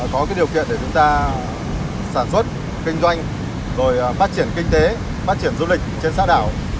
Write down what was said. có cái điều kiện để chúng ta sản xuất kinh doanh rồi phát triển kinh tế phát triển du lịch trên xã đảo